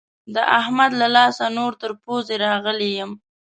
د احمد له لاسه نور تر پوزې راغلی يم.